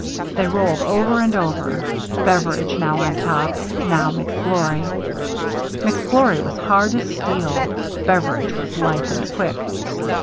They rolled over and over, Beveridge now on top, now McGlory. McGlory was hard as steel ; Beveridge was lithe and quick.